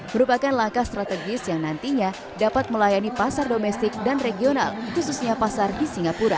merupakan langkah strategis yang nantinya dapat melayani pasar domestik dan regional khususnya pasar di singapura